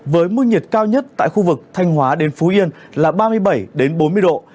với mức nhiệt cao nhất tại khu vực thanh hóa đến phú yên là ba mươi bảy bốn mươi độ